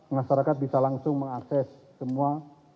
masyarakat bisa langsung mengakses semua